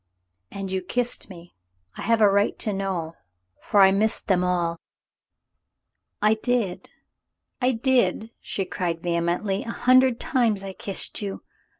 "And you kissed me. I have a right to know, for I missed them all —" "I did, I did," she cried vehemently. "A hundred times I kissed you.